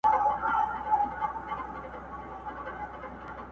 یادونه دي پر سترګو مېلمانه سي رخصتیږي٫